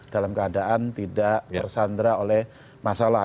dalam keadaan tidak tersandra oleh masalah